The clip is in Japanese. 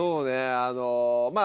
あのまあ